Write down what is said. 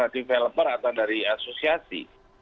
developer atau dari asosiasi